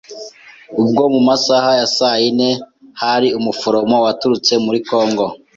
Ubwo mu masaha ya saa yine hari umuforomo waturutse muri Congo